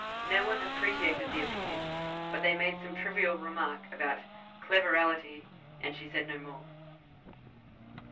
No one appreciated the opinion; they made some trivial remark about 'cleverality,' and she said no more.